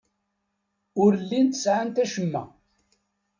Ur llint sɛant acemma.